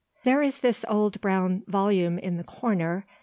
There is this old brown volume in the corner.